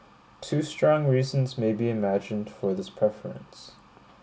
Two strong reasons may be imagined for this preference.